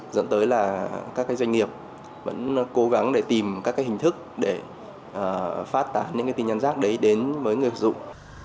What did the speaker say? dẫn tới là các cái doanh nghiệp vẫn cố gắng để tìm các cái hình thức để phát tán những cái tin nhắn rác đấy đến với người sử dụng